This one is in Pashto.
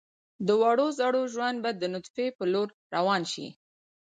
د وړو زړو ژوند به د نطفې پلو روان شي.